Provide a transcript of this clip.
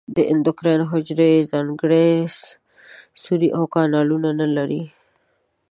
د اندوکراین حجرې ځانګړي سوري او کانالونه نه لري.